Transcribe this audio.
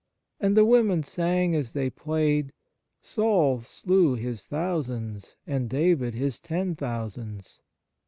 And the women sang as they played, " Saul slew his thousands and David his ten thousands."